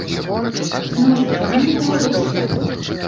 Зноў жа, чаму не беларускія?